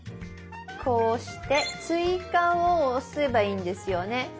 こうして「追加」を押せばいいんですよね？